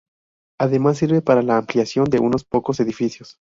Además sirve para la ampliación de unos pocos edificios.